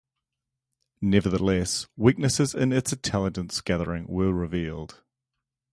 Nevertheless, weaknesses in its intelligence gathering were revealed.